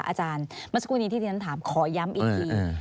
อาจารย์เมื่อสักครู่นี้ที่ที่ฉันถามขอย้ำอีกที